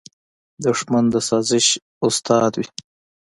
دښمن د سازش استاد وي